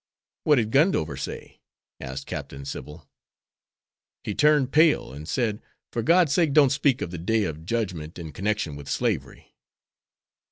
'" "What did Gundover say?" asked Captain Sybil. "He turned pale, and said, 'For God's sake don't speak of the Day of Judgment in connection with slavery.'"